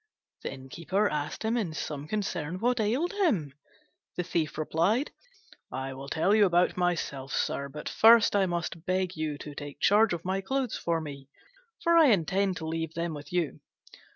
The Innkeeper asked him in some concern what ailed him. The Thief replied, "I will tell you about myself, sir, but first I must beg you to take charge of my clothes for me, for I intend to leave them with you.